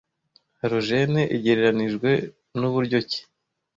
halogene igereranijwe nuburyo ki